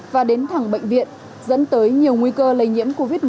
và đến thẳng bệnh viện dẫn tới nhiều nguy cơ lây nhiễm covid một mươi chín